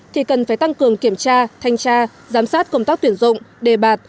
thì cần phải tăng cường kiểm tra thanh tra giám sát công tác tuyển dụng đề bạt